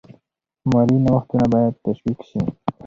مالي نوښتونه باید تشویق شي.